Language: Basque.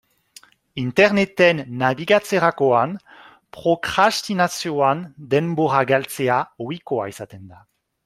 Interneten nabigatzerakoan, prokrastinazioan denbora galtzea ohikoa izaten da.